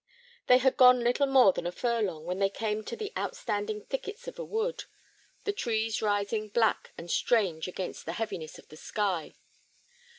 They had gone little more than a furlong when they came to the outstanding thickets of a wood, the trees rising black and strange against the heaviness of the sky.